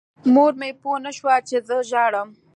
مور مې پوه نه شوه چې زه ژاړم.